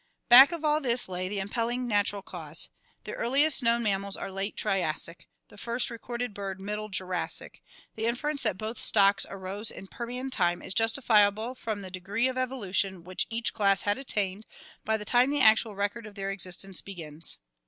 Back of all this lay the impelling natural cause. The earliest known mammals are late Triassic, the first recorded bird Middle Jurassic; the inference that both stocks arose in Permian time is justifiable from the degree of evolution which each class had at tained by the time the actual record of their existence begins.